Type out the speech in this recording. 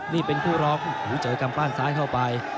นี่เป็นคู่ร้องเจอกำปั้นซ้ายเข้าไป